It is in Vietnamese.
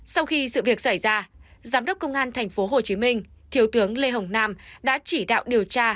sau khi sự việc xảy ra giám đốc công an tp hcm thiếu tướng lê hồng nam đã chỉ đạo điều tra